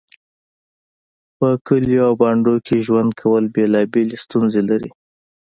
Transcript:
په کليو او بانډو کې ژوند کول بيلابيلې ستونزې لري